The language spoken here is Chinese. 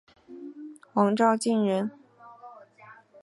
黄兆晋人。